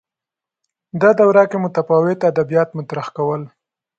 دا دوره کې متفاوت ادبیات مطرح کول